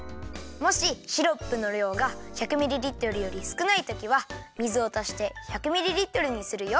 もしシロップのりょうが１００ミリリットルよりすくないときは水をたして１００ミリリットルにするよ。